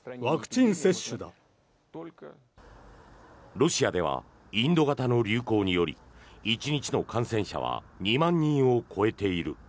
ロシアではインド型の流行により１日の感染者は２万人を超えている。